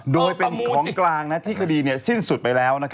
โดยเป็นของกลางที่คดีสิ้นสุดไปแล้ว